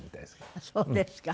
あっそうですか。